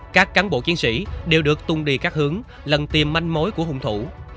các cán bộ chiến sĩ đều được tung đi các hướng lần tìm manh mối của hung thủ